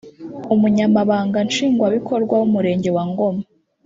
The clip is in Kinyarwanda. umunyamabanga nshingwabikorwa w’umurenge wa Ngoma